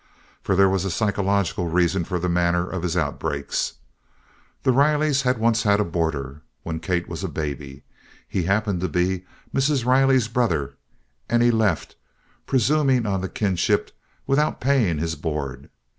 For there was a psychological reason for the manner of his outbreaks. The Rileys had once had a boarder, when Kate was a baby. He happened to be Mrs. Riley's brother, and he left, presuming on the kinship, without paying his board.